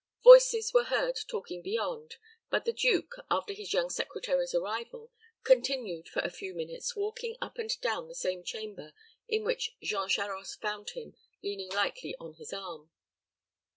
Voices were heard talking beyond; but the duke, after his young secretary's arrival, continued for a few minutes walking up and down the same chamber in which Jean Charost found him, leaning lightly on his arm.